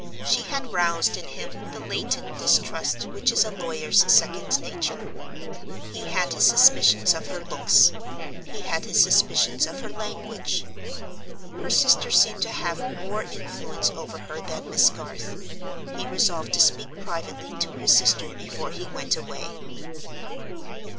She had roused in him the latent distrust which is a lawyer's second nature: he had his suspicions of her looks; he had his suspicions of her language. Her sister seemed to have mere influence over her than Miss Garth. He resolved to speak privately to her sister before he went away.